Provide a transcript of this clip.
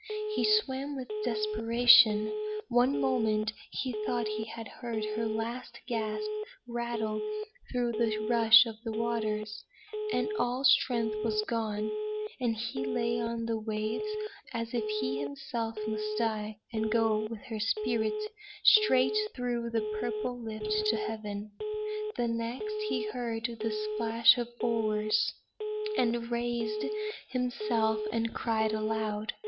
He swam with desperation. One moment he thought he had heard her last gasp rattle through the rush of the waters; and all strength was gone, and he lay on the waves as if he himself must die, and go with her spirit straight through that purple lift to heaven; the next he heard the splash of oars, and raised himself and cried aloud.